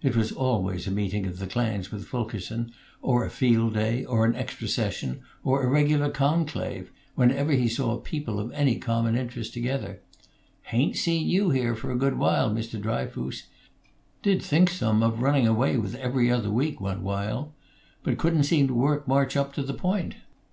It was always a meeting of the clans, with Fulkerson, or a field day, or an extra session, or a regular conclave, whenever he saw people of any common interest together. "Hain't seen you here for a good while, Mr. Dryfoos. Did think some of running away with 'Every Other Week' one while, but couldn't seem to work March up to the point."